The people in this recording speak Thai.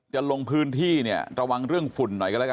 จะลงพื้นที่เนี่ยระวังเรื่องฝุ่นหน่อยกันแล้วกัน